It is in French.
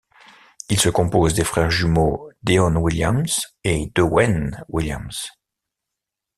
Il se compose des frères jumeaux Deon Williams et Dewayne Williams.